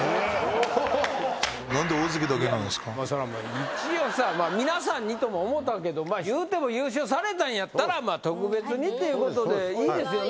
一応さ皆さんにとも思ったけどいうても優勝されたんやったら特別にということでいいですよね？